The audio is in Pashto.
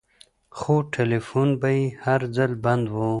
خو ټېلفون به يې هر ځل بند و.